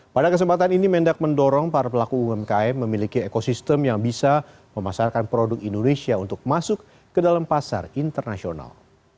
pada kesempatan ini mendak mendorong para pelaku umkm memiliki ekosistem yang bisa memasarkan produk indonesia untuk masuk ke dalam pasar internasional